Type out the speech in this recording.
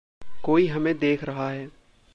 कोई हमें देख रहा है।